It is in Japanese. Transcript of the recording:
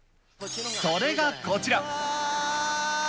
それがこちら。